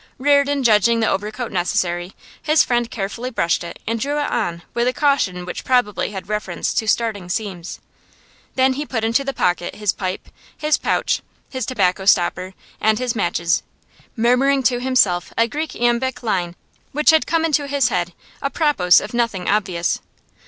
Reardon judging the overcoat necessary, his friend carefully brushed it and drew it on with a caution which probably had reference to starting seams. Then he put into the pocket his pipe, his pouch, his tobacco stopper, and his matches, murmuring to himself a Greek iambic line which had come into his head a propos of nothing obvious.